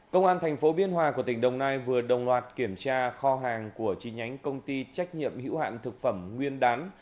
công an thành phố biên hòa của tỉnh đồng nai vừa đồng loạt kiểm tra kho hàng của chi nhánh công ty trách nhiệm hữu hạn thực phẩm nguyên đán